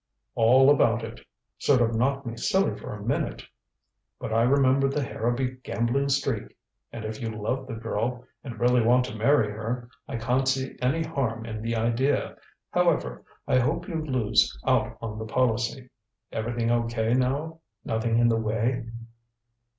"All about it. Sort of knocked me silly for a minute. But I remembered the Harrowby gambling streak and if you love the girl, and really want to marry her, I can't see any harm in the idea. However, I hope you lose out on the policy. Everything O.K. now? Nothing in the way?"